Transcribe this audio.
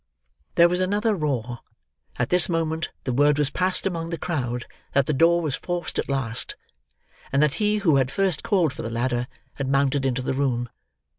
There was another roar. At this moment the word was passed among the crowd that the door was forced at last, and that he who had first called for the ladder had mounted into the room.